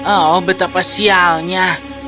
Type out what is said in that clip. oh betapa sialnya